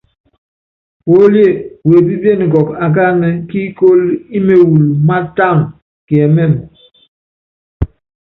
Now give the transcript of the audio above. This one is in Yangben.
Puólíé wepípíene kɔɔkɔ akánɛ kíikóló ímewulu mátána, kiɛmɛ́mɛ.